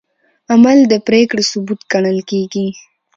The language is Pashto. عمل د پرېکړې ثبوت ګڼل کېږي.